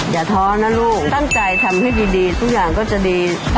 ท้อนะลูกตั้งใจทำให้ดีทุกอย่างก็จะดี